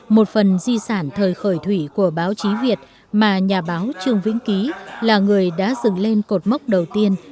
một phần di sản thời khởi thủy của báo chí việt mà nhà báo trương vĩnh ký là người đã dựng lên cột mốc đầu tiên